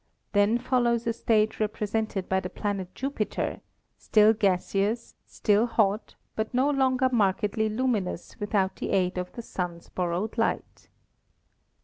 Then follows a stage . represented by the planet Jupiter, still gaseous, still hot, but no longer mark edly luminous without the aid of the Sun's borrowed light.